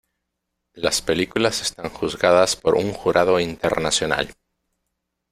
Las películas están juzgadas por un jurado internacional.